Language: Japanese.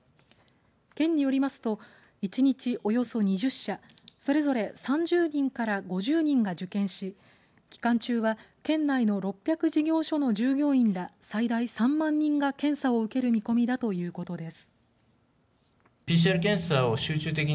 県によりますと１日およそ２０社それぞれ３０人から５０人が受検し期間中は県内の６００の事業所の従業員ら、最大３万人が検査を受ける見込みだということです。